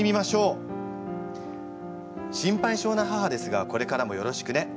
心配性な母ですがこれからもよろしくね。